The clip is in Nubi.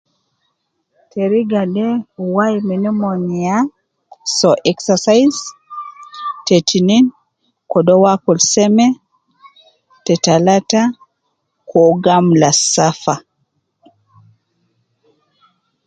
Teriga de wai min omon ya soo exercise ,te tinin kede uwo akul seme, te talata ke uwo gi amulasafa